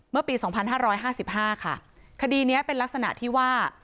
เมื่อปี๒๕๕๕ค่ะคดีนี้เป็นลักษณะที่ว่า